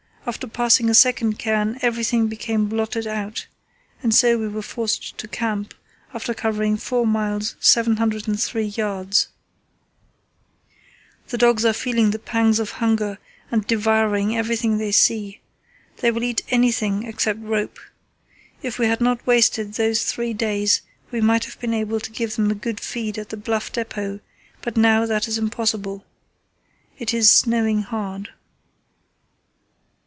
After passing a second cairn everything became blotted out, and so we were forced to camp, after covering 4 miles 703 yds. The dogs are feeling the pangs of hunger and devouring everything they see. They will eat anything except rope. If we had not wasted those three days we might have been able to give them a good feed at the Bluff depot, but now that is impossible. It is snowing hard."